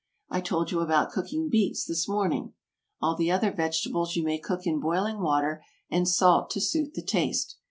I told you about cooking beets this morning. All the other vegetables you may cook in boiling water, and salt to suit the taste.